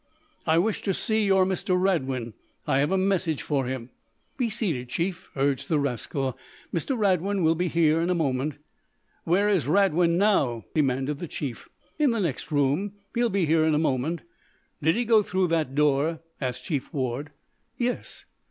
"I wish to see your Mr. Radwin. I have a message for him." "Be seated, Chief," urged the rascal. "Mr. Radwin will be here in a moment." "Where is Radwin now?" demanded the chief. "In the next room. He'll be here in a moment." "Did he go through that door?" asked Chief Ward. "Yes."